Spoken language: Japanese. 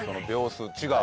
違う。